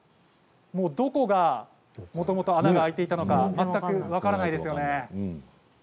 どこがもともと穴が空いていたのか全く分からないですよね。